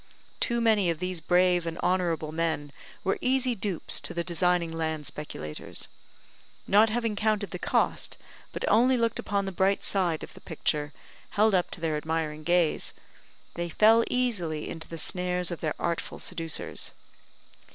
Too many of these brave and honourable men were easy dupes to the designing land speculators. Not having counted the cost, but only looked upon the bright side of the picture held up to their admiring gaze, they fell easily into the snares of their artful seducers.